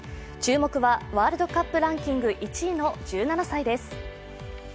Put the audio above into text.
注目はワールドカップランキング１位の１７歳です。